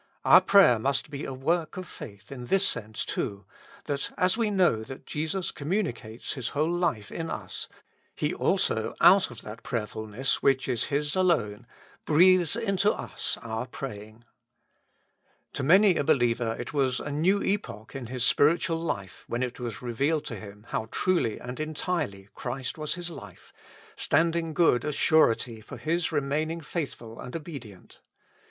Our prayer must be a work of faith in this sense too, that as we know that Jesus communicates His whole life in us, He also out of that prayerfulness which is His alone breathes into us our praying. To many a believer it was a new epoch in his spiritual life when it was revealed to him how truly and entirely Christ was his life, standing good as surety for his remaining faithful and obedient.